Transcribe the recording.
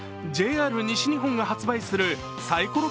ＪＲ西日本が発売するサイコロ